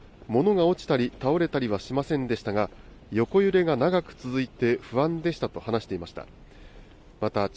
物が落ちたり、倒れたりはしませんでしたが、横揺れが長く続いて不安でしたと話していました。